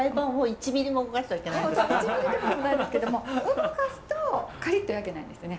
１ミリってこともないですけども動かすとカリッと焼けないんですよね。